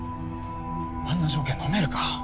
あんな条件のめるか。